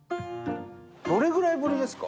どれぐらいぶりですか？